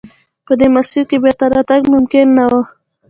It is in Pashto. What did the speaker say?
په دې مسیر کې بېرته راتګ ممکن نه و.